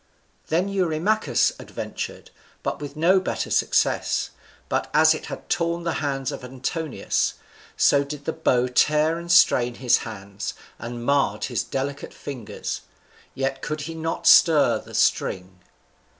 Then Eurymachus adventured, but with no better success; but as it had torn the hands of Antinous, so did the bow tear and strain his hands, and marred his delicate fingers, yet could he not once stir the string.